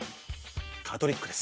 カトリックです。